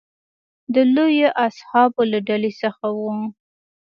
د لویو اصحابو له ډلې څخه و.